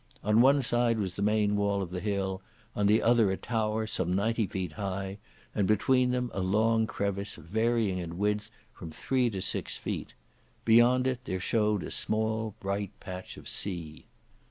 On one side was the main wall of the hill, on the other a tower some ninety feet high, and between them a long crevice varying in width from three to six feet. Beyond it there showed a small bright patch of sea.